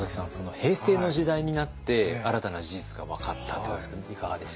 平成の時代になって新たな事実が分かったということなんですけどいかがでした？